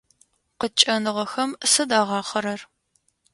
Къыткӏэныгъэхэм сыд агъахъэрэр?